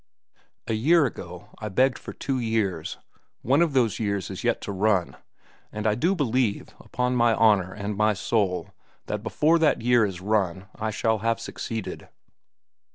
"A year ago I begged for two years. One of those years is yet to run. And I do believe, upon my honor and my soul, that before that year is run I shall have succeeded.